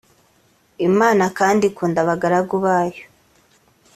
imana iknda abagaragu bayo